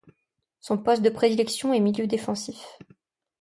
Son poste de prédilection est milieu défensif.